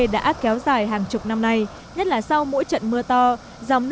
đã kéo dài hàng chục năm nay nhất là sau mỗi trận mưa to